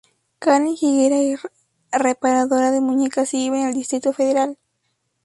Karen Higuera es reparadora de muñecas, y vive en el Distrito Federal.